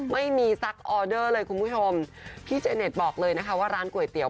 ไม่มีสักออเดอร์เลยคุณผู้ชมพี่เจเน็ตบอกเลยนะคะว่าร้านก๋วยเตี๋ย